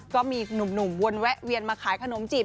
ก็มีหนุ่มวนแวะเวียนมาขายขนมจีบ